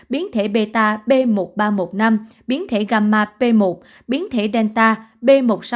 biến thể beta b một ba một năm biến thể gamma b một biến thể delta b một sáu một bảy hai